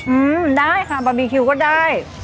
อืมได้ค่ะบาร์บีคิวก็ได้